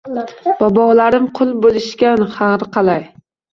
Bobolarim qul bo’lishgan harqalay.